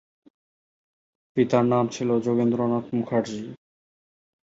পিতার নাম ছিল যোগেন্দ্রনাথ মুখার্জী।